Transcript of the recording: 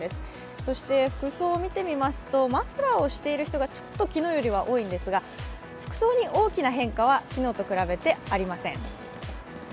そして服装を見てみますとマフラーをしている人がちょっと昨日よりは多いんですが服装に大きな変化は昨日と比べてありません。